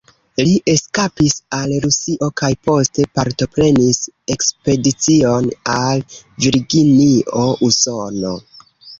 Li eskapis al Rusio kaj poste partoprenis ekspedicion al Virginio, Usono.